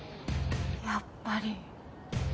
やっぱり。